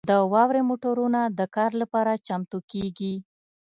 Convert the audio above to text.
د واورې موټرونه د کار لپاره چمتو کیږي